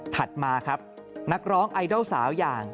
มาครับนักร้องไอดอลสาวอย่าง